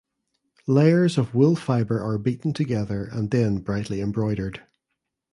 Layers of wool fibre are beaten together and then brightly embroidered.